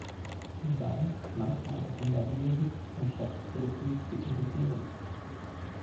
Sie seien „manchmal erkennbar belehrend, anstatt produktiv zu irritieren“.